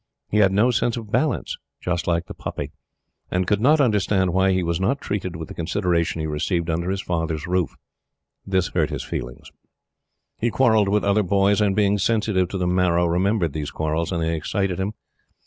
He had no sense of balance just like the puppy and could not understand why he was not treated with the consideration he received under his father's roof. This hurt his feelings. He quarrelled with other boys, and, being sensitive to the marrow, remembered these quarrels, and they excited him.